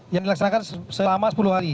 yang dilaksanakan selama sepuluh hari